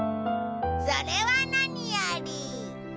それは何より。